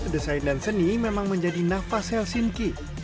desain dan seni memang menjadi nafas helsinki